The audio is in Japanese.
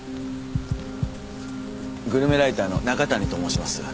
グルメライターの中谷と申します。